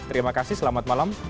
terima kasih selamat malam